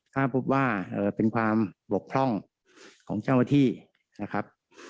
ถ้าพบว่าเป็นความบกพร่องของเจ้าหน้าที่นะครับ